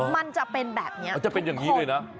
มันจะเป็นแบบนี้